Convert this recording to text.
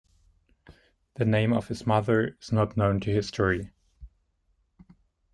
The name of his mother is not known to history.